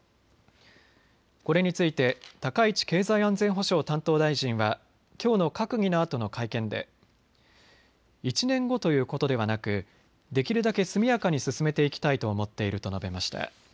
これについて高市経済安全保障担当大臣はきょうの閣議のあとの会見で１年後ということではなくできるだけ速やかに進めていきたいと思っていると述べました。